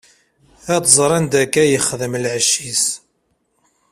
Ad-tẓer anda akka yexdem lɛecc-is.